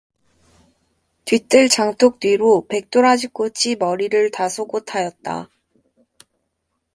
뒤뜰 장독 뒤로 백도라지꽃이 머리를 다소곳하였다.